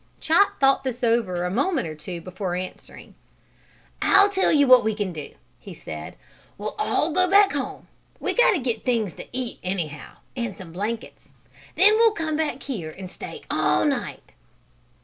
Chot thought this over a moment or two before answering. "I'll tell you what we can do," he said. "We'll all go back home we got to get things to eat, anyhow, and some blankets. Then we'll come back here and stay all night."